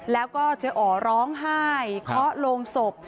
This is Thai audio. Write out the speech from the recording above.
แล้วก็เจ๊อ๋อร้องไห้เคาะโรงศพ